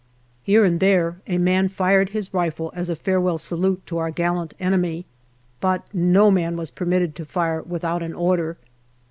Here and there a man fired his rifle as a farewell salute to our gallant enemy, but no man was permitted to fire without an order.